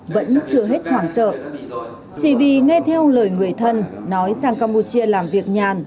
vẫn chưa hết khoảng trợ chỉ vì nghe theo lời người thân nói sang campuchia làm việc nhàn